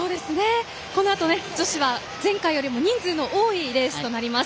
このあと女子は前回よりも人数の多いレースになります。